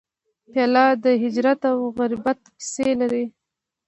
پیاله د هجرت او غربت کیسې لري.